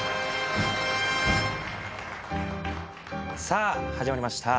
さあ始まりました